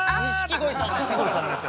錦鯉さんの。